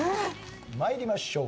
参りましょう。